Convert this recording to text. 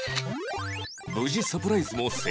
無事サプライズも成功